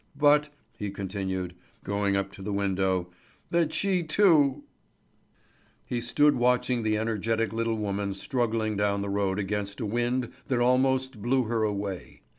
But," he continued, going up to the window, "that she too " He stood watching the energetic little woman struggling down the road against a wind that almost blew her away.